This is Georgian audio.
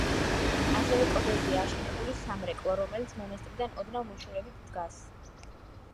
ასევე კლდეზეა აშენებული სამრეკლო, რომელიც მონასტრიდან ოდნავ მოშორებით დგას.